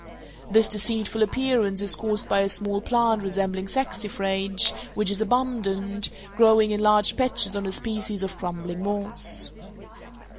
This deceitful appearance is caused by a small plant resembling saxifrage, which is abundant, growing in large patches on a species of crumbling moss.